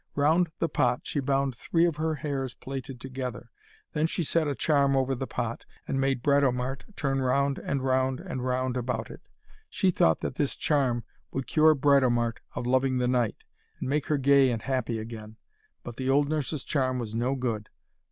Round the pot she bound three of her hairs plaited together. Then she said a charm over the pot, and made Britomart turn round and round and round about it. She thought that this charm would cure Britomart of loving the knight, and make her gay and happy again. But the old nurse's charm was no good.